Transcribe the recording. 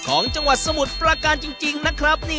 ของจังหวัดสมุทรประการจริงนะครับ